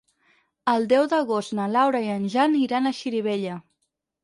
El deu d'agost na Laura i en Jan iran a Xirivella.